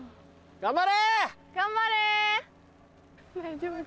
頑張れ！